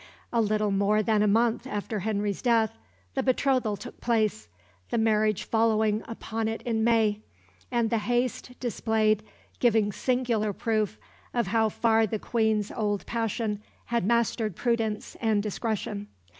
A little more than a month after Henry's death the betrothal took place, the marriage following upon it in May, and the haste displayed giving singular proof of how far the Queen's old passion had mastered prudence and discretion.